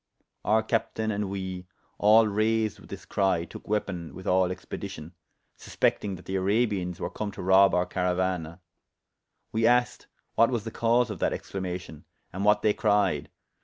Our captayne and we, all raysed with this crye, tooke weapon with all expedition, suspectyng that the Arabians were come to rob our carauana; we asked what was the cause of that exclamation, and what they cryed?